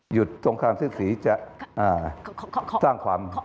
หยุดตรงข้างซึ่งศรีจะสร้างความ